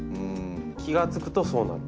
気が付くとそうなる。